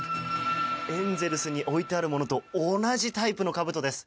エンゼルスに置いてあるものと同じタイプのかぶとです。